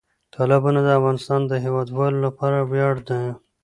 تالابونه د افغانستان د هیوادوالو لپاره ویاړ دی.